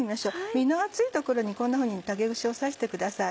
身の厚い所にこんなふうに竹串を刺してください。